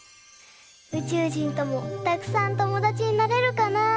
うちゅうじんともたくさんともだちになれるかな。